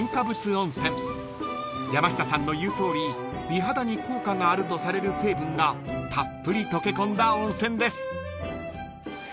［山下さんの言うとおり美肌に効果があるとされる成分がたっぷり溶け込んだ温泉です］